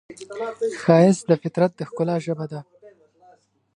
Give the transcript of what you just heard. ښایست د فطرت د ښکلا ژبه ده